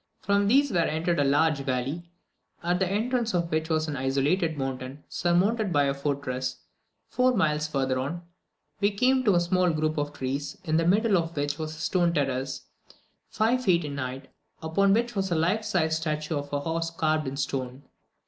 From these we entered a large valley, at the entrance of which was an isolated mountain, surmounted by a fortress; four miles further on, we came to a small group of trees, in the middle of which was a stone terrace, five feet in height, upon which was a life size statue of a horse carved in stone.